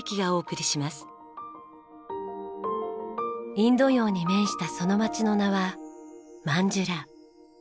インド洋に面したその街の名はマンジュラ。